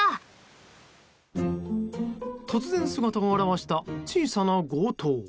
突然、姿を現した小さな強盗。